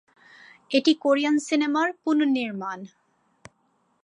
এটি Korean cinema এর পুনঃনির্মাণ।